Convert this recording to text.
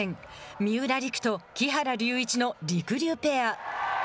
三浦璃来と木原龍一のりくりゅうペア。